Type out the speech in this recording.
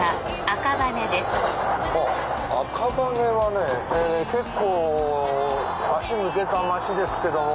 赤羽はね結構足向けた街ですけども。